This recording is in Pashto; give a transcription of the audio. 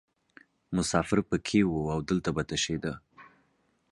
مسافر پکې وو او دلته به تشیده.